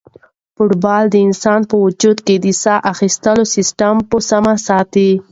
فوټبال د انسان په وجود کې د ساه اخیستلو سیسټم په سمه ساتي.